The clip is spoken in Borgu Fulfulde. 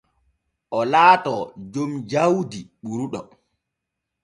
O laatoo jom jawdi ɓurɗo.